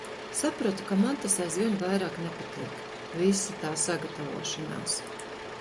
Sapratu, ka man tas aizvien vairāk nepatīk. Visa tā sagatavošanās.